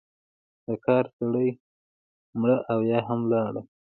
د کار سړی مړه او یا هم ولاړل.